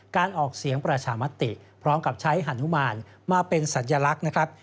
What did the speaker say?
การออกเสียงประชามติพร้อมกับใช้ฮานุมานมาเป็นสัญลักษณ์นะครับ